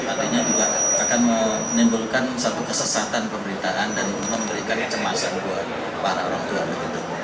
artinya juga akan menimbulkan satu kesesatan pemberitaan dan memberikan kecemasan buat para orang tua begitu